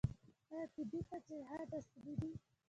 آیا طبي تجهیزات عصري دي؟